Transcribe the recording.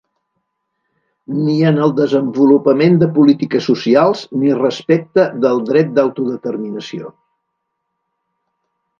Ni en el desenvolupament de polítiques socials ni respecte del dret d’autodeterminació.